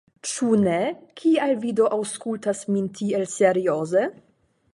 Ĉu ne? Kial Vi do aŭskultas min tiel serioze!